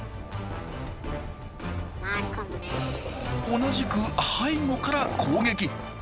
同じく背後から攻撃。